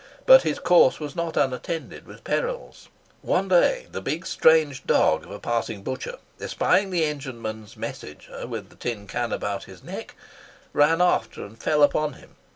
But his course was not unattended with perils. One day the big strange dog of a passing butcher espying the engineman's messenger with the tin can about his neck, ran after and fell upon him.